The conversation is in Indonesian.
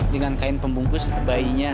dengan kain pembungkus bayinya